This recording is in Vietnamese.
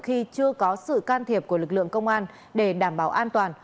khi chưa có sự can thiệp của lực lượng công an để đảm bảo an toàn